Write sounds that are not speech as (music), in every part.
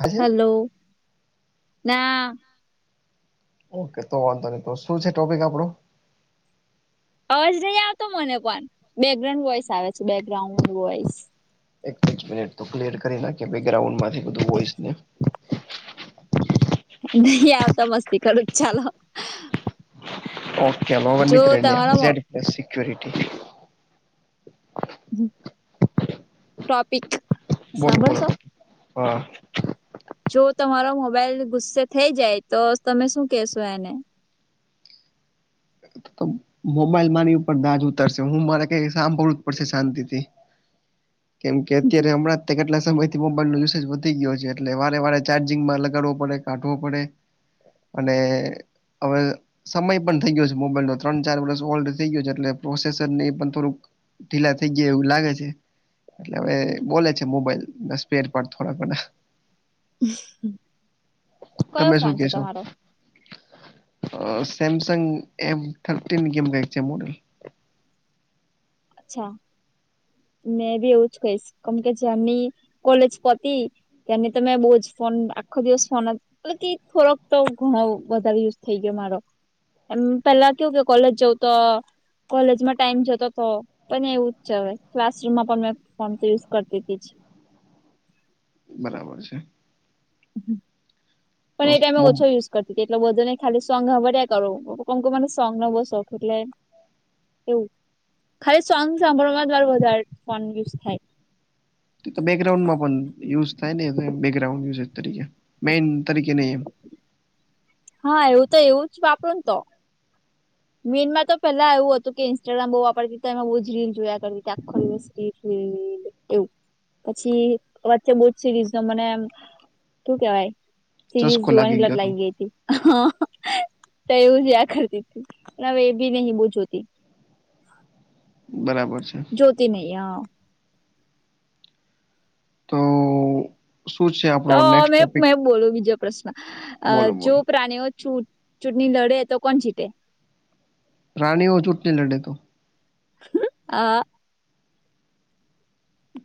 હા છે હાલો ના ઓકે તો વાંધો નહી તો શું છે ટોપિક આપડો અવાજ નહી આવતો મને પણ બેકગ્રાઉન્ડ વોઇસ આવે છે, બેકગ્રાઉન્ડ વોઇસ. એક જ મિનિટ તો ક્લિયર કરી નાખીએ બેકગ્રાઉન્ડમાંથી બધું વોઈસને નહીં આવતો મસ્તી કરું છુ ચાલો. ઓકે જો તમારો (unintelligible) (inaudible) હમ ટોપિક બોલો બોલો સાંભળશો હા, જો તમારો મોબાઈલ ગુસ્સે થઈ જાય તો તમે શું કહેશો એને? (inaudible) મોબાઈલ મારી ઉપર દાજ ઉતરશે હું મારે કઈ સાંભળવું જ પડશે શાંતિથી કેમ કે અત્યારે હમણાં તે કેટલા સમય મોબાઈલ નો યુસેજ વધી ગયો છે એટલે વારે વારે ચાર્જિંગમાં લગાડવો પડે કાઢવો પડે અને હવે સમય પણ થઈ ગયો છે મોબાઈલનો ત્રણ ચાર વરસ ઓલ્ડ થઈ ગયો છે એટલે પ્રોસેસર ને એ પણ થોડુંક ઢીલા થઈ ગયા એવું લાગે છે, એટલે હવે બોલે છે મોબાઈલ ના સ્પેરપાર્ટ થોડા બધા. કયો ફોન છે તમારો? અ સેમસંગ એમ થર્ટીન કે એમ કાંઇક છે મોડેલ. અચ્છા મેં બી એવું જ કહીશ કમ કે જ્યારની કોલેજ પતી ત્યારની તમે બહુ જ ફોન આખો દિવસ ફોન જ મતલબ કે થોડક તો ઘણો વધારે યુઝ થઈ ગયો મારો. એમ પેલા કેવું કે કોલેજ જવું તો કોલેજમાં ટાઈમ જતો હતો. પણ એવું જ છે હવે ક્લાસરૂમમાં પણ મેં ફોન તો યુઝ કરતી હતી જ. બરાબર છે. તો પણ એ ટાઈમે ઓછો મો- યુઝ (unintelligible) કરતી તી એટલો બધો નઈ ખાલી સોંગ હાંભળ્યા કરુ (unintelligible) કે મને સોંગનો બહુ શોખ એટલે એવું ખાલી સોંગ સાંભળવામાં મારે વધારે ફોન યુઝ થાય. તો બેકગ્રાઉન્ડમાં પણ યુઝ થાય ને બેકગ્રાઉન્ડ યુઝ તરીકે મેન તરીકે નહી એમ, હા એવું તો એવું જ વાપરુંન તો મેઇનમાં તો પેલા એવું હતું કે ઇન્સ્ટાગ્રામ બહુ વાપરતી તી તો એમાં બહુ જ રીલ જોયા કરતી હતી આખો દિવસ રીલ એવું પછી વચ્ચે બોઉજ સિરીઝનો મને એમ શું કેવાય સિરીઝ ચસ્કો જોવાની લત ગયો હતો લાગી ગઈ તી. હા તો એવું જોયા કરતી હતી હવે એ બી નહી બોવ જોતી. બરાબર છે. જોતી નહીં હ. તો શું છે તો આપણો નેક્સ્ટ મેં ટોપિક મેં બોલુ બીજો પ્રશ્ન બોલો જો બોલો પ્રાણીઓ ચુ-ચૂંટણી લડે તો કોણ જીતે? પ્રાણીઓ ચૂંટણી લડે તો? હા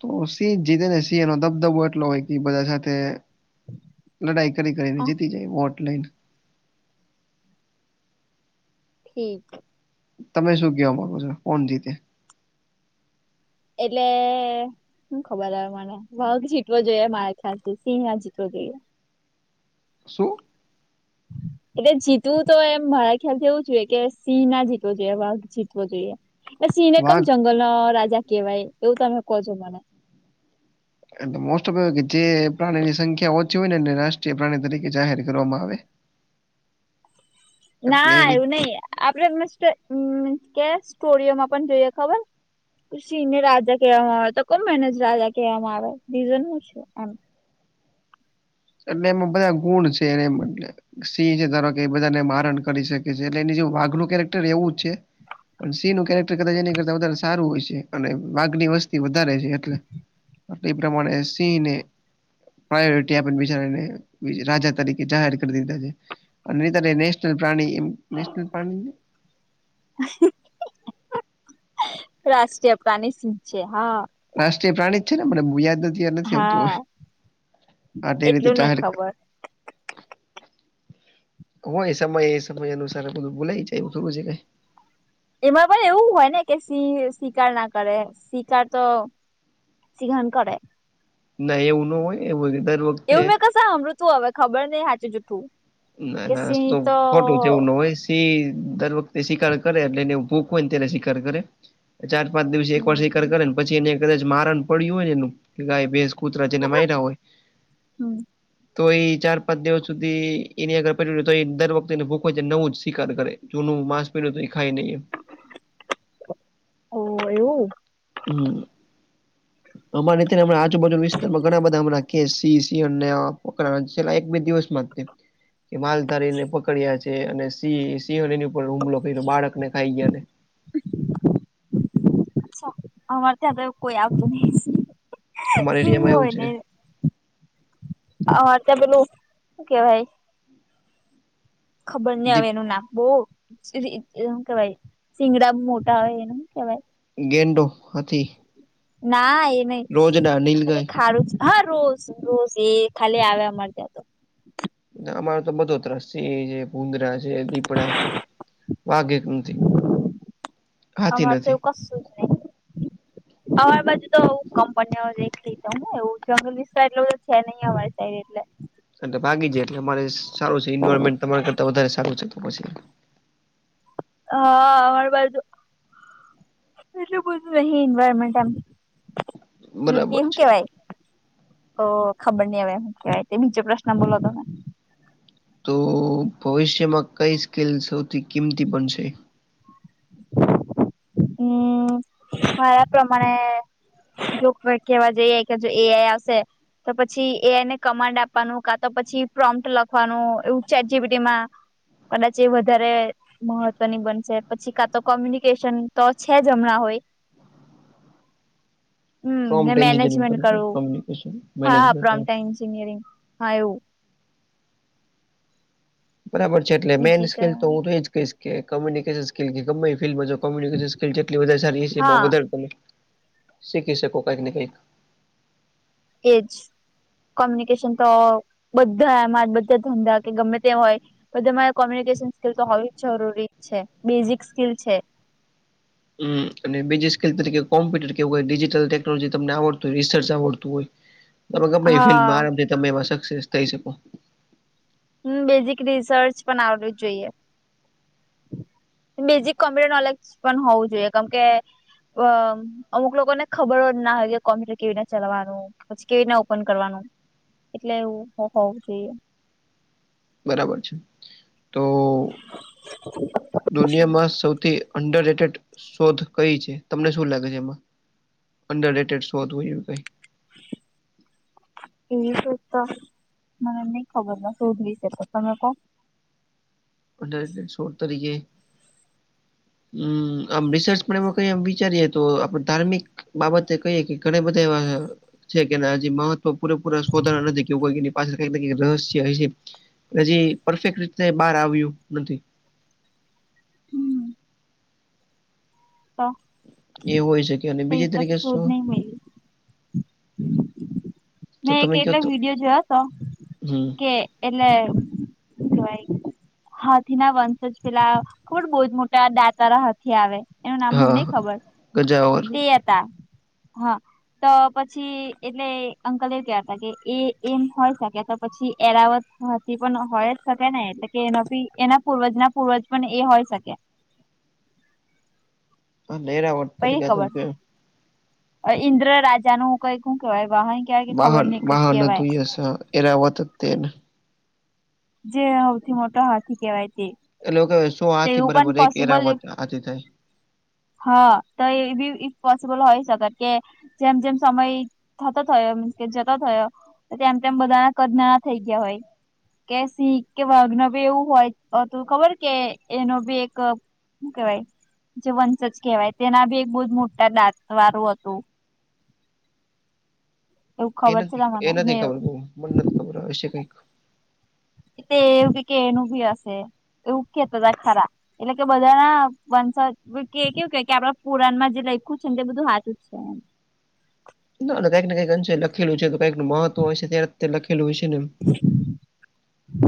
તો સિંહ જીતે ને સિંહ એનો દબદબો એટલો હોય કે બધા સાથે લડાઈ કરી કરીને જીતી જાય વોટ લઈન. ઠીક. તમે શું કેવા માંગો છો કોણ જીતે? એટલે. શું ખબર હવે મને વાધ જીતવો જોઈએ મારા ખ્યાલથી સિંહ ના જીતવો જોઈએ. શું? (inaudible) એટલે જીતવું તો એમ મારા ખ્યાલથી એવું જોઈએ કે સિંહ ના જીતવો જોઈએ વાઘ જીતવો જોઈએ. સિંહને કકમ વાઘ જંગલ નો રાજા કેહેવાય એવું તમે કહો છો મને એટલે મોસ્ટ ઓફ કે જે પ્રાણીની સંખ્યા ઓછી હોય ને એ રાષ્ટ્રીય પ્રાણી તરીકે જાહેર કરવામાં આવે (inaudible) એટલે એ ના રીત એવું નઈ આપડે કે સ્ટોરીમાં પણ જોઈએ ખબર. સિંહને રાજા કહેવામાં આવે તો કેમ એને જ રાજા કહેવામાં આવે રીઝન શું છે એમ એટલે એમાં બધા ગુણ છે એને એમ એટલે સિંહ છે ધારો કે એ બધાને મારણ કરી શકે છે એટલે એની જે વાઘલું કેરેક્ટર એવું જ છે. પણ સી નું કેરેક્ટર કરતા જે કરતા વધારે સારું હોય છે અને વાઘની વસ્તી વધારે છે એટલે એ પ્રમાણે સિંહ ને પ્રાયોરિટી આપે રાજા તરીકે જાહેર કરી દીધા છે અને નેશનલ પ્રાણી એ નેશનલ પ્રાણી છે. રાષ્ટ્રીય પ્રાણી સિંહ છે હા રાષ્ટ્રીય પ્રાણી જ છે ને બોવ યાદ નથી નથી આવતું હા હવે આ રીતે એટલું નઈ જાહેર કર ખબર હોય સમય સમય અનુસાર બધું ભુલાય જાય એવું થોડું છે કઈ. એમાં પણ એવું હોય ને કે શિકાર ના કરે શિકાર તો સિંહણ કરે ના એવું ન હોય એવું દર વખતે. એવું મેં કશે સાંભળયુ તુ હવે ખબર નય હાચુ જુઠું. ના કે ના સિંહ તો ખોટું છે એવું નો હોય. દર વખતે શિકાર કરે એટલે એને ભૂખ હોય ને તેને શિકાર કરે. ચાર પાંચ દિવસે એક વાર શિકાર હમ કરે ને પછી એને કદાચ મારણ પડ્યું હોય ને એનુ ગાય ભેંસ. કૂતરા જેને માર્યા ના હોય હમ તો એ ચાર પાંચ દિવસ સુધી. એની આગર પેર તો એ દર વખતે એને ભૂખ લાગે નવું જ શિકાર કરે જૂનું માંસ પડર્યું તો એ ખાય નહીં. ઓ એવું. હમ. અમારે હમણા આજુબાજુના વિસ્તારમાં ઘણા બધા હમણા કે સિંહ સિંહણ છેલ્લા એક બે દિવસ મા જ તે. કે માલધારીને પકડ્યા છે અને સિંહણે એમની ઉપર હુમલો કર્યો બાળકને ખાઈ ગયાને. અમારે ત્યાં કોઈ આવતું નહિં. અમારા સિંહ એરિયામાં એવું છે હોયને અમારે તો પેલું શું કેવાય. ખબર નઈ હવે દીપ એનું નામ બોવ શું કેવાય સીંગડા મોટા હોય એને શું કેવાય? ગેંડો, હાથી, ના એ રોજડા નહી નીલગાય કાંઈક સારુ છે. હા રોઝ રોઝ એ ખાલી આવે અમારે ત્યાં તો અમારો તો બધો ત્રાસ સિંહ છે. ભુંદડા છે દીપડા વાઘ એક નથી હાથી નથી. બું (unintelligible) (inaudible) અર બાજુ તો કંપનીઓ દેખ ત એવ જંગલ વિસ્ાર એટલો બ છે નહી અરી સાઈડ એટલે (unintelligible) અને ભાગી જાય એટલે અમારે સારું છે ઈન્વાયરમેન્ટ તમારા કરતા વધારે સારું છે તો પછી. હા અમારી બાજુ. એટલું બધું નહિ એન્વાયરમેન્ટ આમ એલે કે બરાબર એમ છે કેવાય. તો ખબર નહી હવે એમું કહેવાય બીજો પ્રશ્ન બોલો તમે. તો ભવિષ્યમાં કઈ સ્કીલ સૌથી કિંમતી પણ છે? હમ મારા પ્રમાણે. જો કેવા જઈએ કે જો એઆઈ હશે. તો પછી એઆઈ ને કમાન્ડ આપવાનું કા તો પછી પ્રોમપ્ટ લખવાનું એવું ચેટજીપીટીમાં. કદાચ એ વધારે મહત્વની બનશે પછી કા તો કોમ્યુનિકેશન. તો છે જ હમણાં હોય. હમ ને પ્રોમ્પ્ટ એન્જિનિયરિંગ મેનેજમેન્ટ કરવું કમ્યુનિકેશન હા મેનેજમેન્ટ પ્રોમપ્ટ એન્જનિયરિંગ હા એવું. બરાબર છે એટલે મેન સ્કીલ તો હું તો એ જ કહીશ કે કોમ્યુનિકેશન સ્કીલ કે ગમે એ ફિલ્ડમાં જાવ. કોમિક સ્કીલ જેટલી વધારે સારી એમાં હા વધારે તમે શીખી શકો કંઈક ને કંઈક એજ. કોમ્યુનિકેશન તો બધા માં બધા ધંધા કે ગમે તે હોય. તો તમારે કોમ્યુનિકેશન સ્કીલ તો હોવી જ જરૂરી છે બેઝિક સ્કીલ છે. હમ અને બીજી સ્કિલ તરીકે કોમ્પ્યુટર કે એવુ કાંઈક ડિજિટલ ટેકનોલોજી તમને આવડું હોય રિસર્ચ આવડતું હોય. તમે ગમે હા ફિલ્ડમાં આ. રામથી તમે એમાં સક્સેસ થઈ શકો હમ બેઝિક રિસર્ચ પણ આવડું જોઈએ. (inaudible) બેઝિક કોમપ્યુટર નોલેજ પણ હોવું જોઈએ કેમ કે. અમુક લોકોને ખબર જ ના હોય કે કોમ્પ્યુટર કેવી રીતે ચલાવાનું પછી કેવી રીતના ઓપન કરવાનું. એટલે એવું હોવું જોઈએ. બરાબર છે. તો દુનિયામાં સૌથી અંડર રેટેડ. શોધ કઈ છે તમને શું લાગે છે એમાં? અંડર ડેટેડ શોધ હોય એવું કઈ. એવી શોધ તો મને નહી ખબર નય શું જોઈ શકો તમે કો. અંડર રેટેડ શોધ તરીકે. હમ આમ રિસર્ચ પણ એમાં કઈ વિચારીએ તો આપડે ધાર્મિક. બાબતે કહીએ કે ઘણા બધા એવા. છે કે હજી મહત્વ પૂરેપૂરા શોધાના નથી કેવું કોઈ એની પાછળ કંઈક ને કંઈક રહસ્ય હસે. હજી પરફેક્ટ રીતે બહાર આવ્યું નથી. હમ એ હોય શકે અને એ બીજી તો કસી તરીકે શોધ શું નહી. તો મેં એક તમે કયો એટલો તો વિડીયો જોયો હતો હમ્મ, કે. એટલે શું કેવાય. હાથી ના વંશજ પેલા ખબર છે બહુ જ મોટા દાંતવાળા હાથી આવે. એનું નામ મને હા, નહી હા. ખબર ગજાવર તે હતા હા. તો પછી એટલે અંકલ એમ કેતા હતા કે એ એમ હોય શકે તો. પછી એરાવત હાથી પણ હોય જ શકે ને એટલે કે એના એના પૂર્વજ ના પૂર્વજ પણ એ હોય શકે. હ લેરાવટ પઈ તરીકા તમ ખબર કે (unintelligible) ઈન્દ્ર રાજા નું કંઈક વાહન. કેવાય કે ખબર વાહન નઈ કઈક વાહન કેવાય હતું યસ એરાવત જ તે જે સૌથી મોટો હાથી કહેવાય તે. એટલે શું કહેવાય સો તો હાથી એવું પણ બરાબર એક પોસિબલ એરાવત હાથી થાય. હા તો એ બી ઇ પોસિબલ હોય શકે કે જેમ જેમ સમય થતો થયો કે જતો થયો તેમ તેમ બધાના કદ નાના થઈ ગયા હોય કે સીંહ કે વાધ ના ભી એવું હોય તો ખબર કે એનો ભી એક શું કેવાય જે વંશજ કહેવાય તેના બી એક બહુ જ મોટા દાંત વારું હતું. એવું એ ખબર છે નથી એ તમને મે નથી ખબર મને નથી ખબર હશે કંઈ. તે એવું કે એનુ ભી હશે એવું કેતા તા ખરા એટલે કે બધા ના વંશ કે કેવું કે કે આપડા પુરાણમાં જે લખું છે ને તે બધું હાચુ અા (inaudible) ના કંઈક ને કંઈક અંશે લખેલું છે તો કંઈક એનુ મહત્વ હશે ત્યારે લખેલું હશે ને એમ.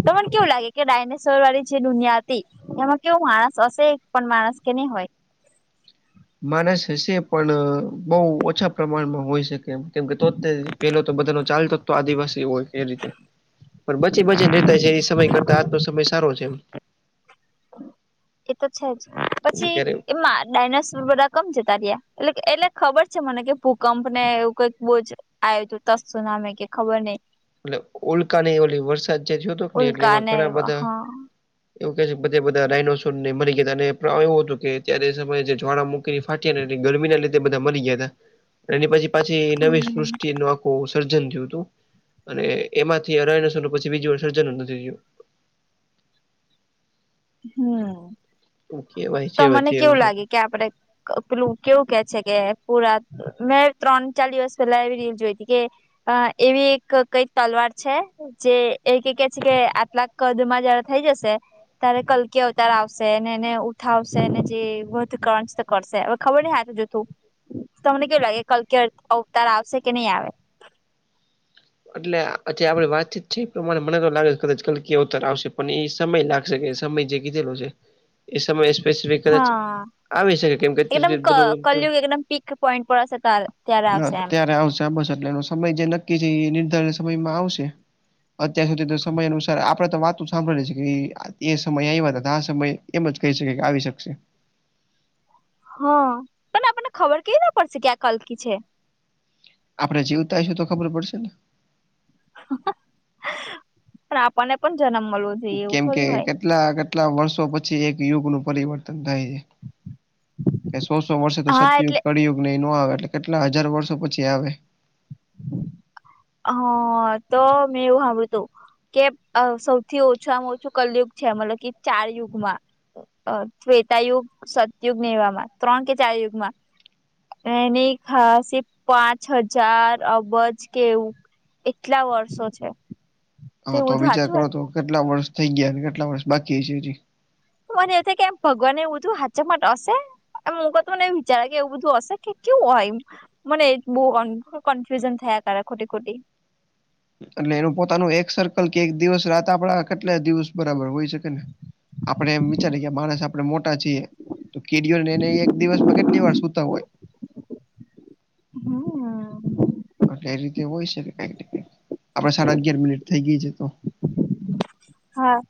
તમને કેવું લાગે કે ડાયનેસોર વાળી જે દુનિયા હતી એમાં કેવું માણસ હશે એકપણ માણસ કે નહીં હોય? માણસ હશે પણ બઉ ઓછા પ્રમાણમાં હોય શકે એમ કેમ કે તો પેલો તો બધા નો ચાલતો તો આદિવાસી હોય એ રીતે પણ બચી બચીને રેતા હશે એ સમય કરતા આજનો સમય સારો છે એમ એ તો છે જ પછી ત્યારે એમાં ડાયનાસોર બધા કબ જતા રહ્યા એટલે એટલે ખબર છે મને કે ભૂકંપ ને એવું કંઈક બોજ આયો તો ત્સુનામી કે ખબર નઈ. એટલે ઉલ્કાની એ ઓલી વરસાદ જે થયો હતો કે ને એટલે ઉલ્કા એમાં ઘણા એવા. બધા હા એવું કે છે બધે બધા ડાયનોસોર ને મરી ગયા અને એવું ફલાવો એવો હતો કે અત્યારે સમય જે જ્વાળામુખ કઈ ફાટી એની ગરમી ના લીધે બધા મરી ગયા હતા. એની પછી પાછી નવી સૃષ્ટિ નુ આખું સર્જન થિવ તું. અને એમાંથી ડાયનાસોર નુ પછી બીજી વાર સર્જન નથી થયું હમ, થયું એવું કેવાય છે તમને વચ્ચે એવું કેવું સર લાગે કે આપડે ક પેલું કેવું કે છે કે પુરા મેં ત્રણ- ચાર દિવસ પેલ્લા એવી રીલ જોઈ તી કે અ એવી એક કઈ તલવાર છે. જે એ કે કે છે કે, આટલા કદમાં જ્યારે થઈ જશે ત્યારે કલ્કિ અવતાર આવશે ને એને ઉઠાવશે ને, જે વધ કણંચ કરશે. ખબર નઈ, હાચું જૂથું. તમને કેવું લાગે? કલ્કિ અર અવતાર આવશે કે નઈ આવે? એટલે, આ જે આપડે વાતચીત છે એ પ્રમાણે મને તો લાગે છે કદાચ કલ્કિ અવતાર આવશે પણ, એ સમય લાગ શે કે સમય જે કીધેલો છે, એ સમયે સ્પેસફિક કદાચ હા આવી શકે કેમ કે, એકદમ ત્યાર ક બધું, કલયુગ એકદમ પીક પોઈન્ટ પર હશે ત્યારે આવશે એમ અત્યારે આવશે. બસ, એટલે એનો સમય જે નક્કી છે એ નિર્ધારિત સમયમાં આવશે. અત્યાર સુધી તો સમય અનુસાર આપડે તો વાતું સાંભળી એ છે કે ઈ આ એ સમયે આયવા અતા, ત આ સમયે એમ જ કહી શકે કે આવી શકશે. હ, પણ આપણને ખબર કેવી રીત ના પડશે કે આ કલ્કિ છે? આપડે જીવતા હશું તો ખબર પડશે ને? હ, પણ આપણને પણ જન્મ મલવો કેમ કે કેટલાં-કેટલાં વર્ષો પછી એક યુગનું પરિવર્તન થાય છે. કે સો-સો વર્ષે તો હા સતયુગ, એટલે કળિયુગ ને એ નો આવે, એટલે કેટલાં હજાર વર્ષો પછી આવે. હ, તો મેં એવું હાભળ્યું હતું. કે અ સૌથી ઓછામાં ઓછું કલયુગ છે મતલબ કે ચાર યુગમાં અ-અ ત્રેતાયુગ, સતયુગ ને એવામાં ત્રણ કે ચાર યુગમાં એની ખાસી પાંચ હજાર અબજ કેવુંક, એટલા વર્ષો છે. તે હ, તો એવું બધું વિચાર સાચું કરો હોય તો, કેટલા વર્ષ થઇ ગીયા ને, કેટલા વર્ષ બાકી છે હજી. મને એવું થાય કે, એમ ભગવાનને એવું બધું હાચા માટે અશે. અમુકો તો નઈ વિચારે કે, એવું બધું અશે કે કેવું હોય એમ. મને એ જ બો અનકનફ્યુજન થાયા કરે, ખોટી-ખોટી. એટલે એનું પોતાનું એક સર્કલ કે, એક દિવસ-રાત આપડા કેટલા દિવસ બરાબર હોય? છે કે ને, આપડે એમ વિચારીએ, માણસ આપ પણે મોટા છીએ તો, કીડીઓ ને, એ એક દિવસમાં કેટલી વાર સૂતા હોય? હમ. એટલે એ રીતે હોય શકે, કંઈક ને કંઈક, આપડે સાડા અગિયાર મિનિટ થઈ ગઈ છે તો. હા.